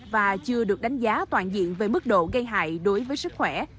và chưa được đánh giá toàn diện về mức độ gây hại đối với sức khỏe